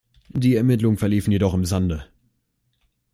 Die Ermittlungen verliefen jedoch im Sande.